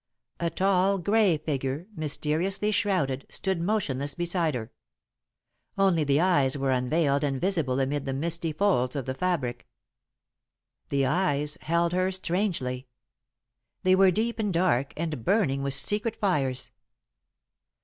A tall, grey figure, mysteriously shrouded, stood motionless beside her. Only the eyes were unveiled and visible amid the misty folds of the fabric. The eyes held her strangely. They were deep and dark and burning with secret fires.